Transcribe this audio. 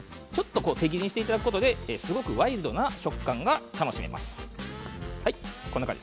手切りしていただくことですごくワイルドな食感が楽しめます。